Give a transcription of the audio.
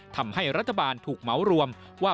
ทำให้รัฐบาลถูกเหมารวมว่า